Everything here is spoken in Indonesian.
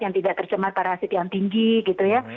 yang tidak tercemar parasit yang tinggi gitu ya